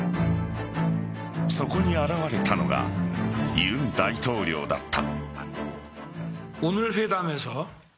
そこに現れたのが尹大統領だった。